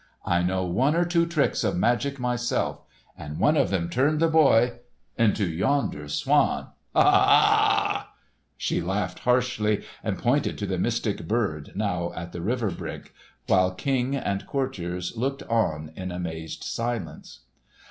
I know one or two tricks of magic myself, and one of them turned the boy——into yonder swan! Ha, ha, ha!" She laughed harshly and pointed to the mystic bird now at the river brink, while King and courtiers looked on in amazed silence.